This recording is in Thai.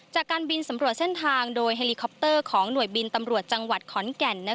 จากการบินสำรวจเส้นทางโดยเฮลิคอปเตอร์ของหน่วยบินตำรวจจังหวัดขอนแก่น